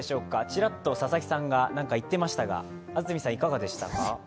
ちらっと佐々木さんが何か言ってましたが、安住さんいかがでしたか？